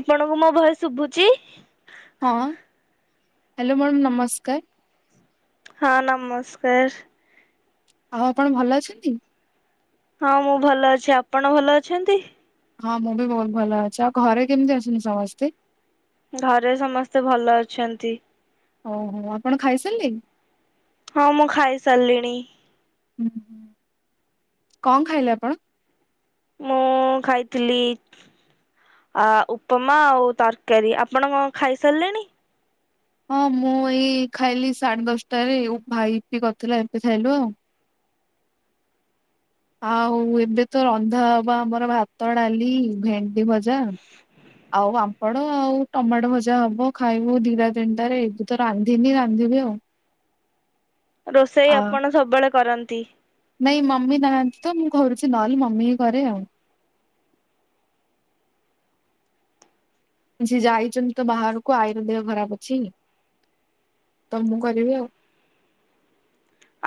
ଆପଣଙ୍କୁ ମୋ ଭୋଏସ ଶୁଭୁଛି। ହଁ ହାଲୋ ମ୍ୟାଡ଼ମ୍ ନମସ୍କାର। ହଁ ନମସ୍କାର ଆଉ ଆପଣ ଭଲ ଅଛନ୍ତି। ହଁ ମୁଁ ଭଲ ଅଛି ଆପଣ ଭଲ ଅଛନ୍ତି। ହଁ ମୁଁ ବି ବହୁତ ଭଲ ଅଛି ଆଉ ଘରେ କେମିତି ଅଛନ୍ତି ସମସ୍ତେ ଘରେ ସମସ୍ତେ ଭଲ ଅଛନ୍ତି। ଓ ହୋ ଆପଣ ଖାଇ ସାରିଲେ ହଁ ମୁଁ ଖାଇ ସାରିଲିଣି ହଁ କଣ ଖାଇଲେ ଆପଣ ମୁଁ ଖାଇଥିଲି ଉପମା ଆଉ ତରକାରୀ ଆପଣ କଣ ଖାଇ ସାରିଲେଣି ହଁ ମୁଁ ଏଇ ଖାଇଲି ସାଢ଼େ ଦଶଟାରେ ଭାଇ ଇଟିଲି କରିଥିଲା ଏବେ ଖାଇଲୁ ଆଉ ଆଉ ଏବେ ତ ରନ୍ଧା ହବା ଆମର ଭାତ ଡାଲି ଭେଣ୍ଡି ଭଜା ଯା ଆଉ ପାମ୍ପ ପାମ୍ପଡ ଆଉ ଟମାଟ ଭଜା ହବ ଖାଇବୁ ଦିଇଟା ତିନିଟାରେ ଏବେ ତ ରାନ୍ଧିନି ରାନ୍ଧିବି ଆଉ ରୋଷେଇ ଆ ଆପଣ ସବୁବେଳେ କରନ୍ତି ନାଇଁ ମମି ନାହାନ୍ତି ତ ମୁଁ କରରୁଛି ନହେଲେ ମମି କରେ ଆଉ ସେ ଯାଇଛନ୍ତି ତ ବାହାରକୁ ଆଇର ଦେହ ଖରାପ ଅଛି ତ ମୁଁ କରିବି ଆଉ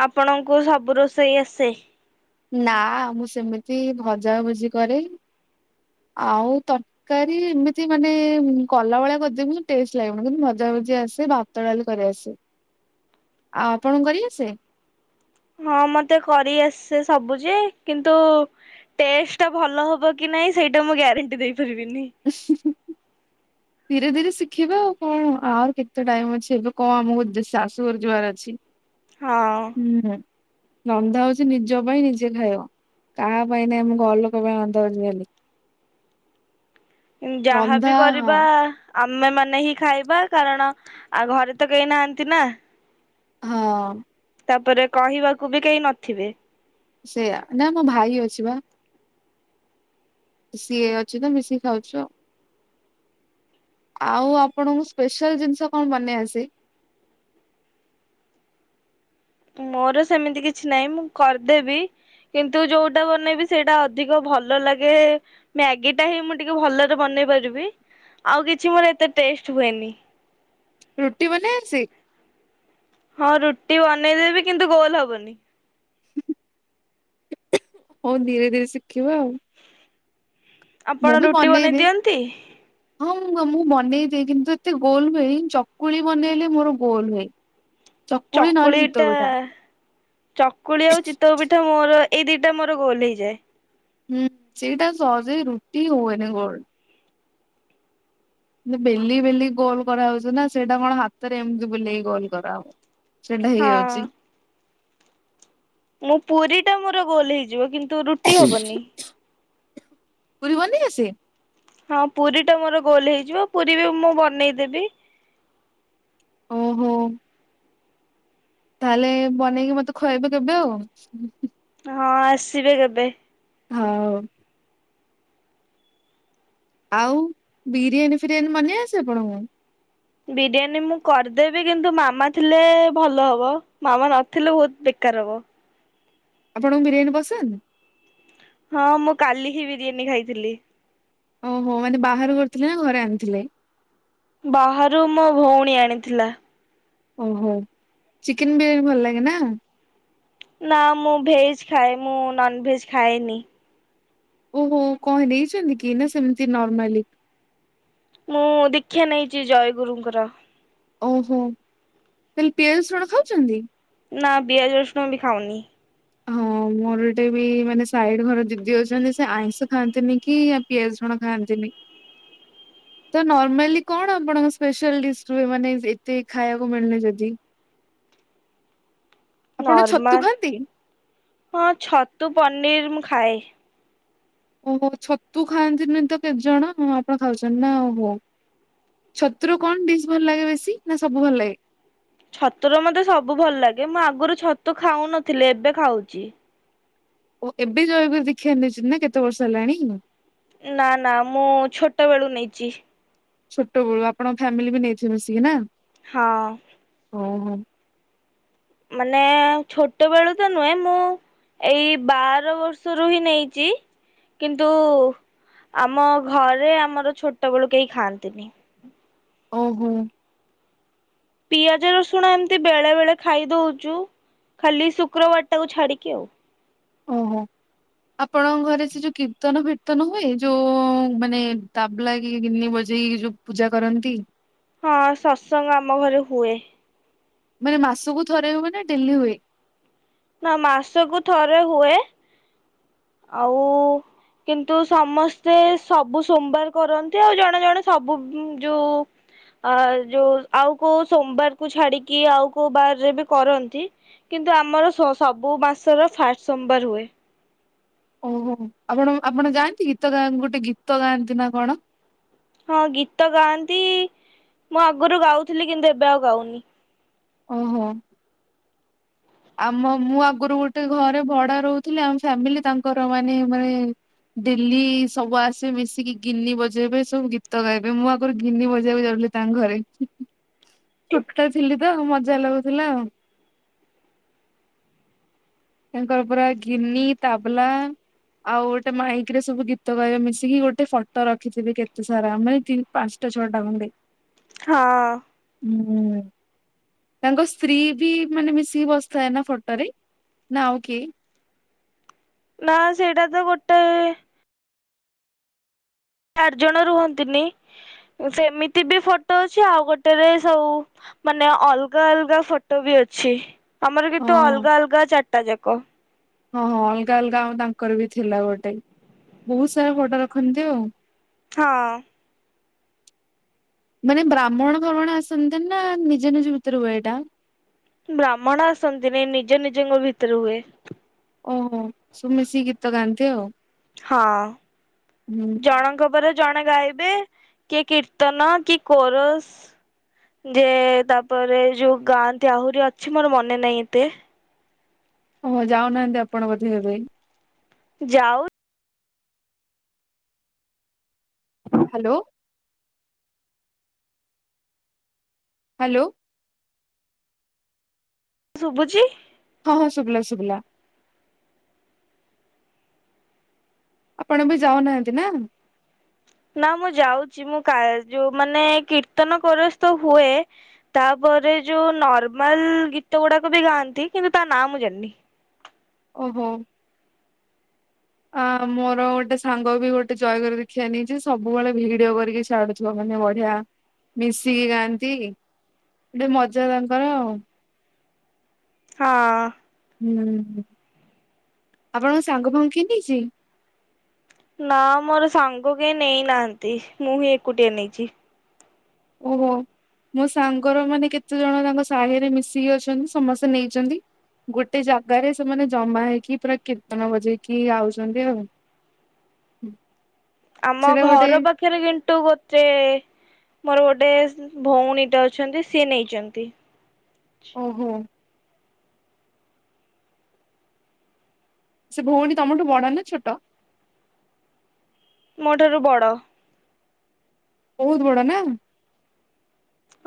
ଆପଣଙ୍କୁ ସବୁ ରୋଷେଇ ଆସେ ନା ମୁଁ ସେମିତି ଭଜା ଭଜି କରେ ଆଉ ତରକାରୀ ଏମିତି ମାନେ କଲା ଭଳିଆ କରିଦେବି ଟେଷ୍ଟ ଲାଗିବନି କିନ୍ତୁ ଭଜା ଭଜି ଆସେ ଭାତ ଡାଲି କରି ଆସେ ଆଉ ଆପଣ କରିଆସେ ହଁ ମତେ କରି ଆସେ ସବୁ ଯେ କିନ୍ତୁ ଟେଷ୍ଟ ଟା ଭଲ ହବ କି ନାଇଁ ସେଇଟା ମୁଁ ଗ୍ୟାରେଣ୍ଟି ଦେଇ ଧୀରେ ଧୀରେ ଶିଖ୍ ଦେଖିବା ଆଉ କଣ ଆର କେତେ ଟାଇମ ଅଛି ଏବେ କଣ ଆମକୁ ଶାଶୁଘ ଯିବାର ଅଛି। ହଁ। ହୁଁ ରନ୍ଧା ହଉଛି ନିଜ ପାଇଁ ନିଜେ ଖାଇବ କାହା ପାଇଁ ନାଇଁ ମୁ ଘର ଲୋକ ପାଇଁ ରନ୍ଧା ହଉଛି ଖାଲି। ଯାହାବି ରନ୍ଧା କରିବା ହଁ ଆମେ ମାନେ ହିଁ ଖାଇବା କାରଣ ଆ ଘରେ ତ କେହି ନାହାନ୍ତି ନା ହଁ ତାପରେ କହିବାକୁ ବି କେହି ନଥିବେ। ସେଇୟା ନା ନା ଭାଇ ଅଛି ବା ସିଏ ଅଛି ତ ମିଶିକି ଖାଉଛୁ ଆଉ ଆଉ ଆପଣଙ୍କୁ ସ୍ପେଶାଲ ଜିନିଷ କଣ ବନେଇ ଆସେ ମୋର ସେମିତି କିଛି ନାହିଁ ମୁଁ କରିଦେବି କିନ୍ତୁ ଯୋଉଟା ବନେଇବି ସେଇଟା ଅଧିକ ଭଲ ଲାଗେ ମ୍ୟାଗି ଟା ହିଁ ମୁଁ ଟିକେ ଭଲରେ ବନେଇ ପାରିବି ଆଉ କିଛି ମୋର ଏତେ ଟେଷ୍ଟ ହୁଏନି। ରୁଟି ବନେଇ ଆସେ? ହଁ ରୁଟି ବନେଇଦେବି କିନ୍ତୁ ଗୋଲ ହବନି। ହୁଁ ହୁଁ ହଉ ଧୀରେ ଧୀରେ ଶିଖିବ ଆଉ ମୁଁ ଆପଣ ବି ରୁଟି ବନେଇ ବନେଇଦିଏ। ଦିଅନ୍ତି? ହଁ ମୁଁ ମୁଁ ବନେଇଦିଏ କିନ୍ତୁ ଏତେ ଗୋଲ ହୁଏନି ଚକୁଳି ବନେଇଲେ ମୋର ଗୋଲ ହୁଏ। ଚକୁଳି ନହଲେ ଚିତଉ ପଠା। ଚକୁଳି ଆଉ ଚିତଉ ପିଠା ମୋର ଏଇ ଦିଟା ମୋର ଗୋଲ ହେଇଯାଏ। ହୁଁ ସେଇଟା ସହଜେ ରୁଟି ହଏନି ଗୋଲ ବେଲି ବେଲି ଗୋଲ କରାହଉଛି ନା ସେଇଟା କଣ ହାତରେ ଏମିତି ବୁଲେଇ ଗୋଲ କରାହୁଏ। ସେଇଟା ହେଇଯାଉଛି। ମୋ ପୁରୀ ଟା ମୋର ଗୋଲ ହେଇଯିବ କିନ୍ତୁ ତ ରୁଟି ହବନି ପୁରି ବନେଇଆସେ? ହଁ ପୁରୀ ଟା ମୋର ଗୋଲ ହେଇଯିବ ପୁରୀ ବି ମୁଁ ବନେଇଦେବି। ଓହୋ ତାହେଲେ ବନେଇକି ମତେ ଖୁଆଇବେ କେବେ ଆଉ ହଁ ଆସିବେ କେବେ ହଁ ଆଉ ବିରିୟାନୀ ଫିରିୟାନୀ ବନେଇ ଆସେ ଆପଣଙ୍କୁ? ବିରିୟାନୀ ମୁଁ କରିଦେବି କିନ୍ତୁ ମାମା ଥିଲେ ଭଲ ହବ ମାମା ନଥିଲେ ବହୁତ ବେକାର ହବ। ଆପଣଙ୍କୁ ବିରିୟାନୀ ପସନ୍ଦ? ହଁ ମୁଁ କାଲି ହିଁ ବିରିୟାନୀ ଖାଇଥିଲି। ଓହୋ ମାନେ ବାହାରୁ କରିଥିଲେ ନା ଘରେ ଆଣିଥିଲେ? ବାହାରୁ ମୋ ଭଉଣୀ ଆଣିଥିଲା। ଓହୋ ଚିକେନ ବିରିୟାନୀ ଭଲ ଲାଗେ ନା ନା ମୁଁ ଭେଜ ଖାଏ ମୁଁ ନନ୍ ଭେଜ ଖାଏନି। ଓହୋ କଣ ନେଇଛନ୍ତି କି ନା ସେମିତି ନର୍ମାଲି ମୁଁ ଦୀକ୍ଷା ନେଇଛି ଜୟ ଗୁରୁଙ୍କର। ଓହୋ ତାହେଲେ ପିଆଜ ରସୁଣ ଖାଉଛନ୍ତି? ନା ପିଆଜ ରସୁଣ ବି ଖାଉନି। ହଁ ମୋର ଗୋଟେ ବି ମାନେ ସାଇଡ୍ ଘର ଦିଦି ଅଛନ୍ତି ସେ ଆଇଁଷ ଖାଆନ୍ତିନି କି ପିଆଜ ରସୁଣ ଖାଆନ୍ତିନି ତ ନର୍ମାଲି କଣ ଆପଣଙ୍କ ସ୍ପେଶିଆଲ୍ ଡିସ୍ ରୁହେ ମାନେ ଏତେ ଖାଇବାକୁ ମିଳୁନି ଯଦି ଆପଣ ଛତୁ ନର୍ମାଲ ଖାଆନ୍ତି? ହଁ ଛତୁ ପନିର ମୁଁ ଖାଏ। ଓହୋ ଛତୁ ଖାଆନ୍ତିନି ତ କେତେଜଣ ଆପଣ ଖାଉଛନ୍ତି ନା ଓହୋ ଛତୁୁର କଣ ଡିସ୍ ଭଲ ଲାଗେ ବେଶୀ ନା ସବୁ ଭଲ ଲାଗେ। ଛତୁର ମତେ ସବୁ ଭଲ ଲାଗେ ମୁଁ ଆଗରୁ ଛତୁ ଖାଉନଥିଲି ଏବେ ଖାଉଛି। ଓ ଏବେ ଜୟଗୁରୁ ଦୀକ୍ଷା ନେଇଛନ୍ତି ନା କେତେ ବର୍ଷ ହେଲାଣି? ନା ନା ମୁଁ ଛୋଟ ବେଳୁ ନେଇଛି। ଛୋଟବେଳୁ ଆପଣଙ୍କ ଫ୍ୟାମିଲି ବି ନେଇଥିବେ ସିଏନା ନା ହଁଅ ହଁୁ ହଁୁ ମାନେ ଛୋଟ ବେଳୁ ତ ନୁହେଁ ମୁଁ ଏଇ ବାର ବର୍ଷରୁ ହିଁ ନେଇଛି କିନ୍ତୁ ଆମ ଘରେ ଆମ ଛୋଟ ବେଳୁ କେହି ଖାଆନ୍ତିନି। ଓହୋଃ ପିଆଜ ରସୁଣ ଏମତି ବେଳେ ବେଳେ ଖାଇ ଦଉଛୁ ଖାଲି ଶୁକ୍ରବାର ଟାକୁ ଛାଡିକି ଆଉ। ଓହୋ ଆପଣଙ୍କ ଘରେ ସେ ଯୋଉ କୀର୍ତ୍ତନ ଫୀର୍ତ୍ତନ ହୁଏ ଯୋଉ ମାନେ ତାବଲା କି ଗିନି ବଜେଇ ଯୋଉ ପୂଜା କରନ୍ତି। ହଁ ସତ୍ସଙ୍ଗ ଆମ ଘରେ ହୁଏ। ମାନେ ମାସକୁ ଥରେ ହୁଏ ନା ଡେଲି ହୁଏ। ନା ମାସକୁ ଥରେ ହୁଏ। ଆଉ କିନ୍ତୁ ସମସ୍ତେ ସବୁ ସୋମବାର କରନ୍ତି ଆଉ ଜଣେ ଜଣେ ସବୁ ଯୁ ଆ ଯୋଉ ଆଉ କୋଉ ସୋମବାର କୁ ଛାଡିକି ଆଉ କୋଉ ବାରରେ ବି କରନ୍ତି କିନ୍ତୁ ଆମର ସବୁ ମାସର ଫାର୍ଷ୍ଟ ସୋମବାର ହୁଏ ଓହୋ ଆପଣ ଆପଣ ଯାଆନ୍ତି ଗୀତ ଗା ଗୋଟେ ଗୀତ ଗାଆନ୍ତି ନା କଣ ହଁ ଗୀତ ଗାଆନ୍ତି ମୁଁ ଆଗରୁ ଗାଉଥିଲି କିନ୍ତୁ ଏବେ ଆଉ ଗାଉନି। ଓହୋ ଆମ ମୁଁ ଆଗରୁ ଗୋଟେ ଘରେ ଭଡା ରହୁଥିଲି ଆମ ଫ୍ୟାମିଲି ତାଙ୍କର ମାନେ ମାନେ ଡେଲି ସବୁ ଆସି ମିଶିକି ଗିନି ବଜେଇବେ ସବୁ ଗୀତ ଗାଇବେ ମୁଁ ଆଗରୁ ଗିନି ବଜେଇକୁ ଯାଉଥିଲି ତାଙ୍କ ଘରେ। ସୁଟ ଟା ଥିଲି ତ ମଜା ଲାଗୁଥିଲା ଆଉ ତାଙ୍କର ପୁରା ଗିନି ତାବଲା ଆଉ ଗୋଟେ ମାଇକି ରେ ସବୁ ଗୀତ ଗାଇବେ ମିଶିକି ଗୋଟେ ଫଟୋ ରଖିଥିବେ କେତେ ସାରା ମାନେ ତିନ ପାଞ୍ଚଟା ଛଅଟା ଖଣ୍ଡେ ହଁଅ ହୁଁ ତାଙ୍କ ସ୍ତ୍ରୀ ବି ମାନେ ମିଶିକି ବସିଥାଏ ନା ଫଟୋ ରେ। ନା ଓକେ ନାଁ ସେଇଟା ତ ଗୋଟେ ଚାରି ଜଣ ରୁହନ୍ତିନି ସେମିତି ବି ଫଟୋ ଅଛି ଆଉ ଗୋଟେରେ ସବୁ ମାନେ ଅଲଗା ଅଲଗା ଫଟୋ ବି ଅଛି। ଆମର ହଁ କିନ୍ତୁ ଅଲଗା ଅଲଗା ଚାରିଟା ଯାକ। ହଁ ହଁ ଅଲଗା ଅଲଗା ଆଉ ତାଙ୍କର ବି ଥିଲା ଗୋଟେ ବହୁତ ସାରା ଫୋଟ ରଖନ୍ତି ଆଉ ହଁଅ ମାନେ ବ୍ରାହ୍ମଣ ଫ୍ରାବ୍ହ୍ମଣ ଆସନ୍ତି ନା ନିଜ ନିଜ ଭିତରେ ହୁଏ ଏଇଟା ବ୍ରାହ୍ମଣ ଆସନ୍ତି ନି ନିଜ ନିଜଙ୍କ ଭିତରେ ହୁଏ ଓହୋ ସବୁ ମିଶିକି ଗୀତ ଗାନ୍ତି ତି ଅଉ ହଁ ଜଣଙ୍କ ପରେ ଜଣେ ଗାଇବେ କି କୀର୍ତ୍ତନ କି କୋରସ ଯେ ତାପରେ ଯୋଉ ଗାନ୍ତି ଆହୁରି ଅଛି ମୋର ମନେ ନାହିଁ ଏତେ ଓହ ଯାଉନାହାନ୍ତି ଆପଣ ବୋଧେ ଏବେ ଯାଉ ହ୍ୟାଲୋ ହ୍ୟାଲୋ ଶୁଭୁଚି ହଁ ହଁ ଶୁଭଲା ଶୁଭଲା ଆପଣ ବି ଯାଉନାହାନ୍ତି ନା ନା ମୁଁ ଯାଉଛି ମୁଁ ଯୋଉ ମାନେ କୀର୍ତ୍ତନ କରରେ ତ ହୁଏ ତାପରେ ଯୋଉ ନର୍ମାଲ ଗୀତ ଗୁଡାକ ବି ଗାଆନ୍ତି କିନ୍ତୁ ତା ନାଁ ମୁଁ ଜାଣିନି। ଓହୋ ଆ ମୋର ଗୋଟେ ସାଙ୍ଗ ବି ଗୋଟେ ଜୟ ଗୁରୁ ଦୀକ୍ଷା ନେଇଛି ସବୁବେଳେ ଭିଡିଓ କରିକି ଛାଡୁଥିବ ମାନେ ବଢିଆ ମିଶିକି ଗାଆନ୍ତି ଗୋଟେ ମଜା ତାଙ୍କର ଆଉ ହଁ ହୁଁ ଆପଣଙ୍କ ସାଙ୍ଗ ଫାଙ୍ଗ କି ନେଇଚି ନା ମୋର ସାଙ୍ଗ କେହି ନେଇନାହାନ୍ତି ମୁଁ ହିଁ ଏକୁଟିଆ ନେଇଛି। ଓହୋ ମୋ ସାଙ୍ଗର ମାନେ କେତେ ଜଣ ତାଙ୍କ ସାହିରେ ମିଶିକି ଅଛନ୍ତି ସମସ୍ତେ ନେଇଛନ୍ତି ଗୋଟେ ଜାଗାରେ ସେମାନେ ଜମା ହେଇକି ପୁରା କୀର୍ତ୍ତନ ବଜେଇକି ଆଉଛନ୍ତି ଆଉ। ଆମ ସେଟା ଗୋଟେ ଘର ପାଖେରେ କିନ୍ତୁ ଗୋତେ ମୋର ଗୋ ଡେସ୍ ଭଉଣୀଟା ଅଛନ୍ତି ସିଏ ନେଇଚନ୍ତି। ଓହୋ। ସେ ଭୋଉଣୀ ତମରଠୁ ବଡ଼ ନାଁ ଛୋଟ? ମୋ ଠାରୁ ବଡ଼। ବୋହୁତ ବଡ଼ ନାଁ?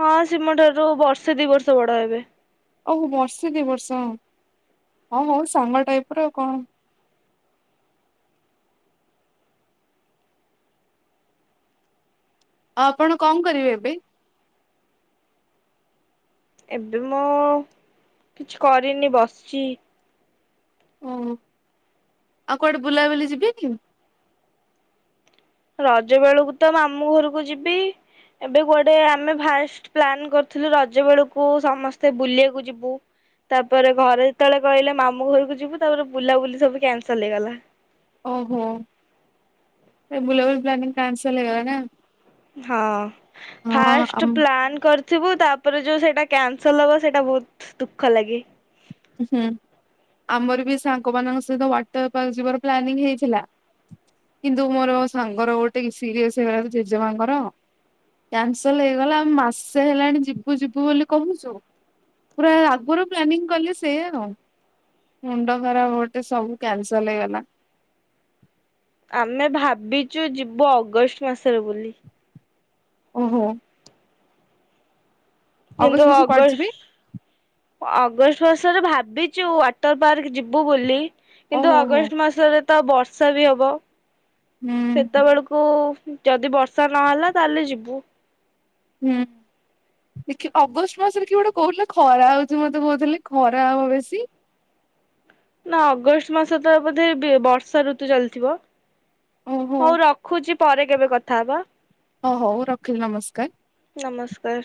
ହଁ ସି ମୋ ଠାରୁ ବର୍ଷେ ଦି ବର୍ଷ ବଡ଼ ହେବେ। ଅ ଉ ବର୍ଷେ ଦି ବର୍ଷ ହଁ ହୋଉ ସାଙ୍ଗ ଟାଇପର କଣ ଆଉ ଆପଣ କଣ କରିବେ ଏବେ? ଏବେ ମୁଁ କିଛି କରିନି ବସଚି। ଓ ଆଉ କୁଆଡେ ବୁଲାବୁଲି ଯିବେ କି? ରଜ ବେଳୁକୁ ତ ମାମୁଁ ଘରୁକୁ ଯିବି। ଏବେ କୁଆଡ଼େ ଆମେ ଫାଷ୍ଟ ପ୍ଲାନ୍ କରିଥିଲୁ ରଜ ବେଳୁକୁ ସମସ୍ତେ ବୁଲିବାକୁ ଯିବୁ ତାପରେ ଘରେ ଯେତୋଳେ କହିଲେ ମାମୁଁ ଘରକୁ ଯିବୁ ତାପରେ ବୁଲାବୁଲି ସବୁ କ୍ୟାନସଲ ହେଇଗଲା। ଓହୋ ଏ ବୁଲାବୁଲ ପ୍ଲାାନିଂ କ୍ୟାନ୍ସଲ ହେଇଗଲା ନାଁ? ହଁ ଆମ ଫାଷ୍ଟ ପ୍ଲାନ କର୍ ଥିବୁ ତାପରେ ଯୋଉ ସେଇଟା କ୍ୟାନସଲ ହବ ସେଇଟା ବୋହୁତ ଦୁଃଖ ଲାଗେ। ହୁଁ ଆମର ବି ସାଙ୍ଗମାନଙ୍କ ସହିତ ୱାଟର ପାର୍କ ଯିବାର ପ୍ଲାନିଂ ହେଇଥିଲା କିନ୍ତୁ ମୋର ସାଙ୍ଗର ଗୋଟେ କି ସିରିଅସ୍ ହେଇଗଲା ତ ଜେଜେମାଙ୍କର କ୍ୟାନସଲ ହେଇଗଲା। ଆଉ ମାସେ ହେଲାଣି ଯିବୁ ଯିବୁ ବୋଲି କହୁଚୁ ପୁରା ଆଗୁରୁ ପ୍ଲାନିଂ କଲେ ସେଇଆ ଆଉ ମୁଣ୍ଡ ଖରାପ ଗୋଟେ ସବୁ କ୍ୟାନସଲ ହେଇଗଲା। ଆମେ ଭାବିଚୁ ଯିବୁ ଅଗଷ୍ଟ ମାସରେ ବୋଲି। ଓହୋ। କିନ୍ତୁ ଅଗଷ୍ଟ ମାସକୁ କୁଆଡେ ଯିବି ଅଗଷ୍ଟ ଅଗଷ୍ଟ ସୁ ଆସରେ ଭାବିଚୁ ୱାଟର ପାର୍କ ଯିବୁ ବୋଲି। କିନ୍ତୁ ଓହୋ ହୋ ଅଗଷ୍ଟ ମାସରେ ତ ବର୍ଷା ବି ହବ। ହୁଁ ସେତବେଳୁକୁ ଯଦି ବର୍ଷା ନହେଲା ତାହେଲେ ଯିବୁ। ହୁଁ ଦେଖେ ଅଗଷ୍ଟ ମାସରେ କିଏ ଗୋଟେ କୋହୁଥୁଲା ଖରା ହଉଚି ମତେ ବୋଉଥୁଲେ ଖରା ହବ ବେଶୀ। ନାଁ ଅଗଷ୍ଟ ମାସ ତା ବୋଧେ ବେ ବର୍ଷା ଋତୁ ଚାଲିଥିବ। ଓହୋ ହଉ ରଖୁଚି। ପରେ କେବେ କଥା ହବା। ହଁ ହଉ ରଖିଲି ନମସ୍କାର। ନମସ୍କାର।